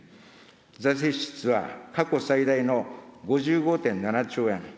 財政支出は過去最大の５５．７兆円。